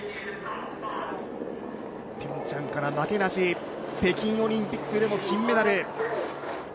ピョンチャンから負けなし北京オリンピックでも金メダル。